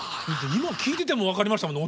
今聴いてても分かりましたもんね